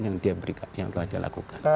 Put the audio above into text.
yang dia lakukan